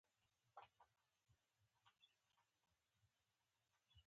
پاچا له ما سره ډیره مینه وکړه.